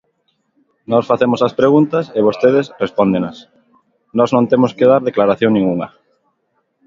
Nós facemos as preguntas e vostedes respóndenas; nós non temos que dar declaración ningunha.